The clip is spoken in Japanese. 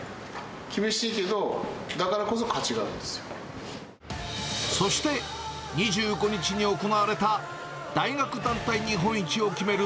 厳しいけど、だからこそ価値があそして、２５日に行われた大学団体日本一を決める